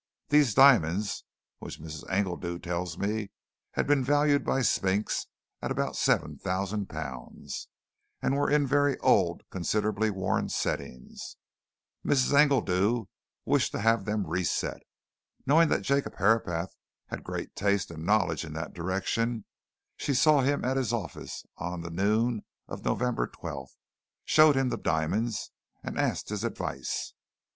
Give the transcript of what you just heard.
These diamonds, which, Mrs. Engledew tells me, had been valued by Spinks at about seven thousand pounds, were in very old, considerably worn settings. Mrs. Engledew wished to have them reset. Knowing that Jacob Herapath had great taste and knowledge in that direction, she saw him at his office on the noon of November 12th, showed him the diamonds, and asked his advice.